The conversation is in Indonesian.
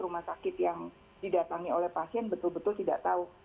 rumah sakit yang didatangi oleh pasien betul betul tidak tahu